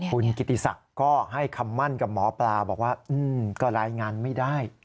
คุณกิติศักดิ์ก็ให้คำมั่นกับหมอปลาบอกว่าก็รายงานไม่ได้